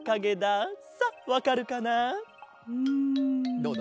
どうだ？